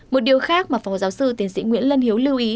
một điều khác mà phó giáo sư tiến sĩ nguyễn lân hiếu lưu ý